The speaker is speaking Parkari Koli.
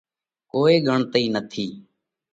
ڪوئي ڳڻتئِي نٿِي۔